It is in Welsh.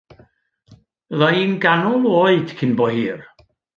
Bydda i'n ganol oed cyn bo hir.